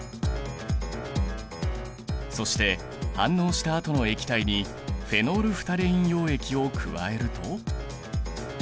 そして反応したあとの液体にフェノールフタレイン溶液を加えると。